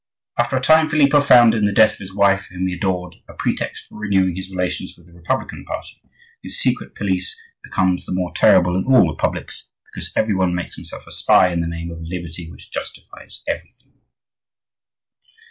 After a time Filippo found in the death of his wife, whom he adored, a pretext for renewing his relations with the Republican party, whose secret police becomes the more terrible in all republics, because every one makes himself a spy in the name of a liberty which justifies everything.